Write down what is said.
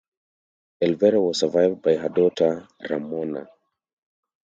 Elvera was survived by her daughter, Ramona.